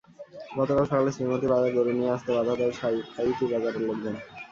গতকাল সকালে শ্রীমতী বাজারে গরু নিয়ে আসতে বাধা দেয় শাখাইতি বাজারের লোকজন।